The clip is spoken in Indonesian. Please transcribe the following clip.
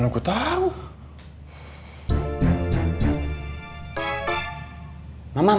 keju di kendaraan ini mas